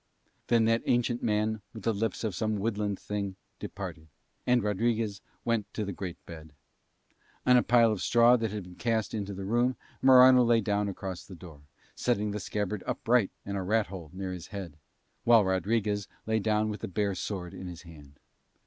Then that ancient man with the lips of some woodland thing departed, and Rodriguez went to the great bed. On a pile of straw that had been cast into the room Morano lay down across the door, setting the scabbard upright in a rat hole near his head, while Rodriguez lay down with the bare sword in his hand.